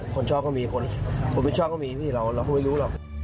คนชอบก็มีคนไม่ชอบก็มีพี่เราก็ไม่รู้หรอก